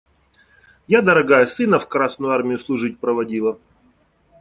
Я, дорогая, сына в Красную Армию служить проводила.